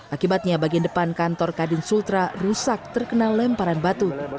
akibatnya bagian depan kantor kadin sultra rusak terkena lemparan batu